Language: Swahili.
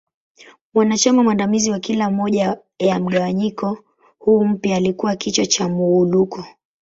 Mwanachama mwandamizi wa kila moja ya mgawanyiko huu mpya alikua kichwa cha Muwuluko.